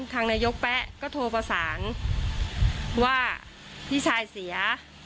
ทางนายกแป๊ะก็โทรประสานว่าพี่ชายเสีย